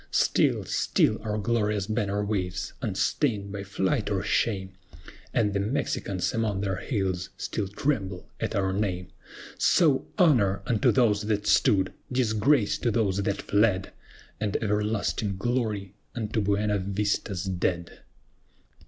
Still, still our glorious banner waves, unstained by flight or shame, And the Mexicans among their hills still tremble at our name. SO, HONOR UNTO THOSE THAT STOOD! DISGRACE TO THOSE THAT FLED! AND EVERLASTING GLORY UNTO BUENA VISTA'S DEAD!